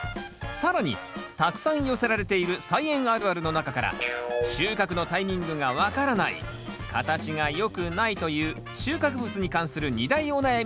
更にたくさん寄せられている「菜園あるある」の中から「収穫のタイミングが分からない」「形が良くない」という収穫物に関する２大お悩みをピックアップ。